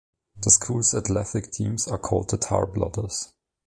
The school's athletic teams are called the Tarblooders.